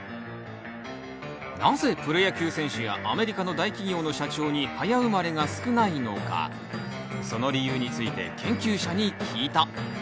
なぜプロ野球選手やアメリカの大企業の社長に早生まれが少ないのかその理由について研究者に聞いた。